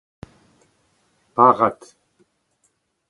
barrad